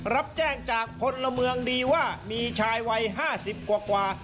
รับแจ้งจากพลเมืองดีว่ามีชายวัย๕๐กว่า